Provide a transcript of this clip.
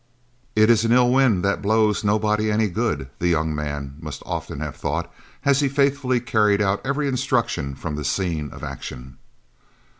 "It is an ill wind that blows nobody any good," the young man must often have thought, as he faithfully carried out every instruction from the scene of action.